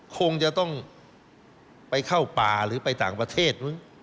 คงจะต้องไปเข้าป่าหรือไปต่างประเทศมั้ง